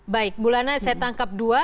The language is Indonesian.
baik bulannya saya tangkap dua